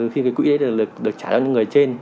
khi cái quỹ đấy được trả cho người trên